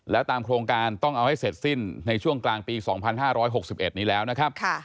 แล้วตามโครงการต้องเอาให้เสร็จสิ้นในช่วงกลางปี๒๕๖๑นี้แล้วนะครับ